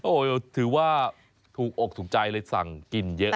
โอ้โหถือว่าถูกอกสุขใจเลยสั่งกินเยอะนะครับ